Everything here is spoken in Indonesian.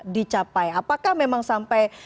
dicapai apakah memang sampai